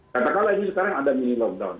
katakanlah ini sekarang ada mini lockdown